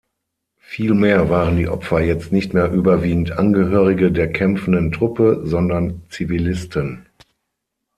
Vielmehr waren die Opfer jetzt nicht mehr überwiegend Angehörige der kämpfenden Truppe, sondern Zivilisten.